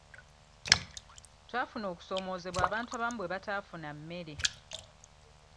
Twafuna okusoomoozebwa abantu abamu bwe bataafuna mmere.